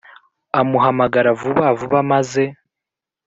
amuhamagara vuba vuba maze…